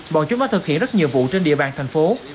bọn chúng đã thực hiện rất nhiều vụ trên địa bàn thành phố